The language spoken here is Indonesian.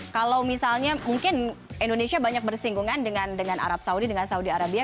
kalau misalnya mungkin indonesia banyak bersinggungan dengan arab saudi dengan saudi arabia